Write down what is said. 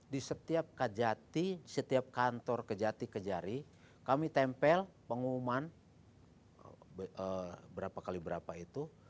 di setiap kajati setiap kantor kejati kejari kami tempel pengumuman berapa kali berapa itu